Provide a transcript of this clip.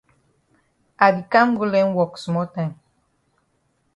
I di kam go learn wok small time.